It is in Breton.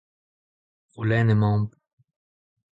O lenn emaomp.